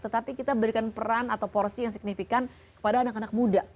tetapi kita berikan peran atau porsi yang signifikan kepada anak anak muda